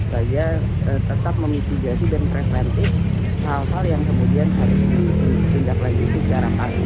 tentu saja tetap memitigasi dan preventif hal hal yang kemudian harus dihendak lagi itu secara pasti